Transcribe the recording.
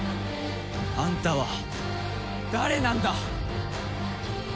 あんたは誰なんだ！？